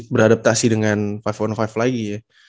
beradaptasi dengan lima on lima lagi